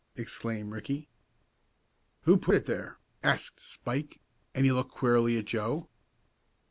exclaimed Ricky. "Who put it there?" asked Spike, and he looked queerly at Joe.